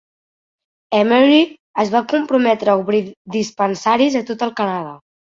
Emery es va comprometre a obrir dispensaris a tot el Canadà.